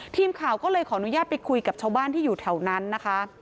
ทีมข่าวก็เลยขออนุญาตไปคุยกับชาวบ้านที่อยู่แถวนั้นนะคะ